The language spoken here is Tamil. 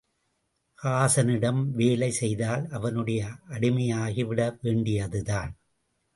ஹாஸானிடம் வேலை செய்தால், அவனுடைய அடிமையாகிவிட வேண்டியதுதான்.